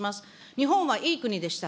日本はいい国でした。